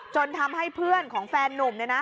จนทำให้เพื่อนของแฟนนุ่ม